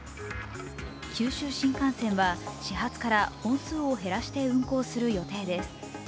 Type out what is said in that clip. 九州新幹線は始発から本数を減らして運行する予定です。